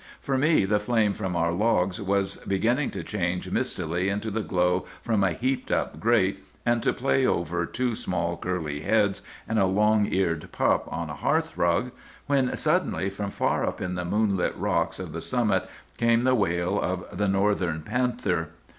For me the flame from our logs was beginning to change mistily into the glow from a heaped up grate, and to play over two small curly heads and a long eared pup on a hearth rug, when suddenly from far up in the moonlit rocks of the summit came the wail of the northern panther.